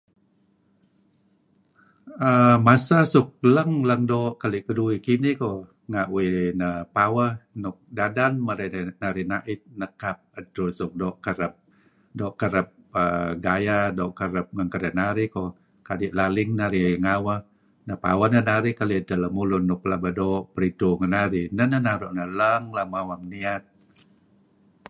err masa suk leng-leng doo' keli' keduih kinih koh nga' uih neh paweh nuk dadan men narih na'it nekap edtur suk doo' kereb doo' kereb err gaya doo' kereb ngen kedinarih .Laling narih ngaweh. Neh paweh neh narih keli'edtah lemulun nuk pelaba doo' peridtu' ngen narih, neh neh naru' narih lang-lang mawang niyat.